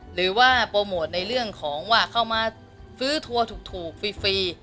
หรือว่าโปรโมทในเรื่องของว่าเข้ามาซื้อทัวร์ถูกฟรี